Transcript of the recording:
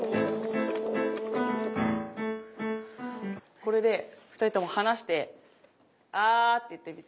これで２人とも離してあーって言ってみて。